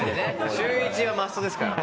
週１はマストですからね。